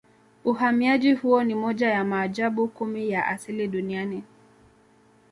Uhamiaji huo ni moja ya maajabu kumi ya asili Duniani